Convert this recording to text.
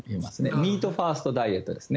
ミートファーストダイエットですね。